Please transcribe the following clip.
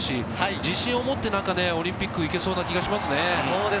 自信を持ってオリンピックにいけそうな気がしますね。